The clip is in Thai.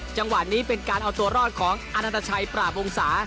จังหวะนี้เป็นการเอาตัวรอดของอนันตชัยปราบวงศา